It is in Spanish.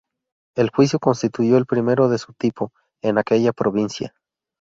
El juicio constituyó el primero de su tipo en aquella provincia.